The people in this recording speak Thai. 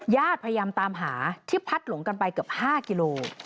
ญาติพยายามตามหาที่พลัดหลงกันไปเกือบ๕กิโล